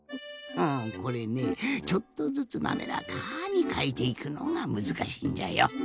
これねちょっとずつなめらかにかえていくのがむずかしいんじゃよ。